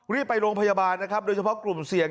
รีบไปโรงพยาบาลนะครับโดยเฉพาะกลุ่มเสี่ยง